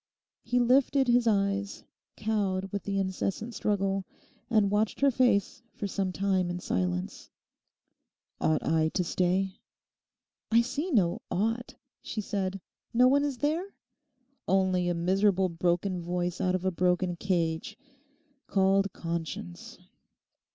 He lifted his eyes, cowed with the incessant struggle, and watched her face for some time in silence. 'Ought I to stay?' 'I see no "ought,"' she said. 'No one is there?' 'Only a miserable broken voice out of a broken cage—called Conscience.